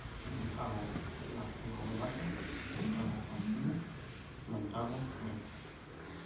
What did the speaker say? Plantago lanceolata, Plantago alpina, Plantago media".